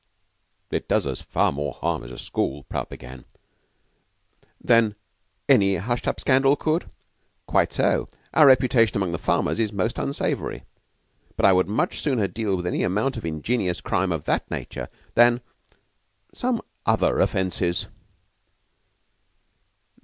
"It does us far more harm as a school " Prout began. "Than any hushed up scandal could? Quite so. Our reputation among the farmers is most unsavory. But I would much sooner deal with any amount of ingenious crime of that nature than some other offenses."